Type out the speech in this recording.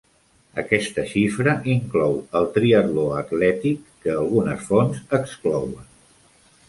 Aquesta xifra inclou el triatló atlètic, que algunes fonts exclouen.